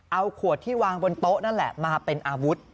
เอาขวดที่วางบนโต๊ะนั่นแหละมาเป็นอาวุธ